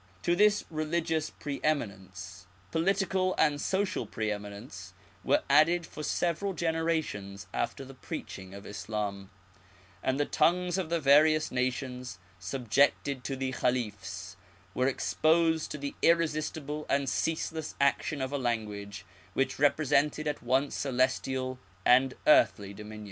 To this tel\^o>i& ^^t^ ^scssxssssiKfc / 26 The Arabic Language, political and social pre eminence were added for several genera tions after the preaching of Islam^ and the tongues of the various nations subjected to the Khalifs were exposed to the irresistible and ceaseless action of a language which represented at once celestial and earthly dominion.